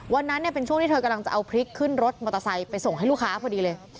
วันนั้นเป็นช่วงที่เธอกำลังจะเอาพริกขึ้นรถมอเตอร์ไซค์ไปส่งให้ลูกค้าพอดีเลย